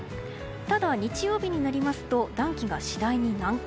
ただ、日曜日になりますと暖気が次第に南下。